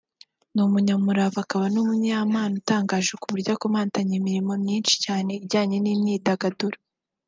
ni umunyamurava akaba n’umunyempano utangaje kuburyo akomatanya imirimo myinshi cyane ijyanye n’imyidagaduro